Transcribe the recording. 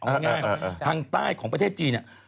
เอาง่ายทางใต้ของประเทศจีนเนี่ย